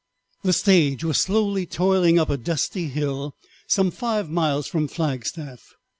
IV. The stage was slowly toiling up a dusty hill some five miles from Flagstaff.